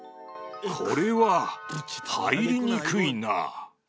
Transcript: これは入りにくいな。